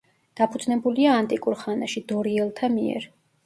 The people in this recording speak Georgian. დაფუძნებულია ანტიკურ ხანაში დორიელთა მიერ.